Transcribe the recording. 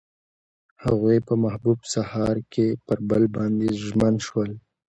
هغوی په محبوب سهار کې پر بل باندې ژمن شول.